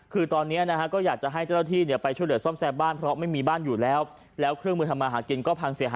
คือตอนนี้ก็อยากจะให้เจ้าที่